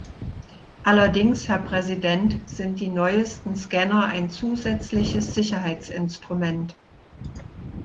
Allerdings, Herr Präsident, sind die neuesten Scanner ein zusätzliches Sicherheitsinstrument.